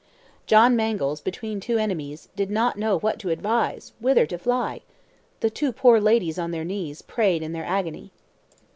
John Mangles, between two enemies, did not know what to advise, whither to fly! The two poor ladies on their knees, prayed in their agony.